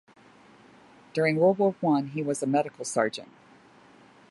During World War One he was a medical sergeant.